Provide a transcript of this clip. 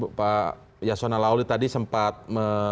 bung pak yasona lauli tadi sempat menyampaikan